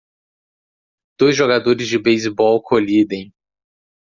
Dois jogadores de beisebol colidem.